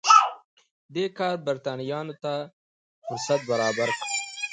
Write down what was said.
دې کار برېټانویانو ته فرصت برابر کړ.